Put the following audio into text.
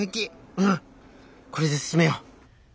うんこれで進めよう！